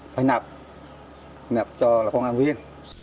phải nập nập cho là công an viên